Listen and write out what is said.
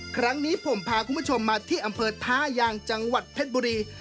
ครั้งนี้ผมพาคุณผู้ชมมาที่อำเภอท่ายางจังหวัดเพชรบุรี